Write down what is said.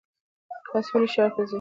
تاسو ولې ښار ته ځئ؟